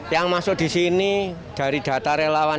yang masuk di sini dari data relawan